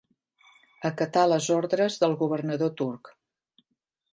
Acatà les ordres del governador turc.